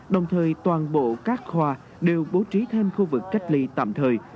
đồng thời toàn bộ các khoa đều bố trí thêm khu vực cách ly tạm thời